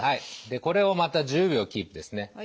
でこれをまた１０秒キープですね。